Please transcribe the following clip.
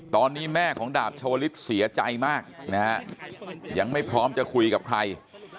ตอนนี้แม่ของดาบชาวลิศเสียใจมากนะฮะยังไม่พร้อมจะคุยกับใคร